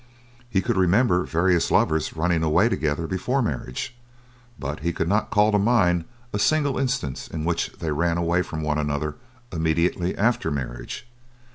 He could remember various lovers running away together before marriage, but he could not call to mind a single instance in which they ran away from one another immediately after marriage.